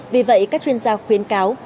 vì vậy các chuyên gia khuyến cáo